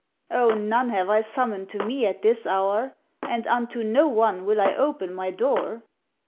ŌĆØ ŌĆ£O none have I summoned to me at this hour, And unto no one will I open my door.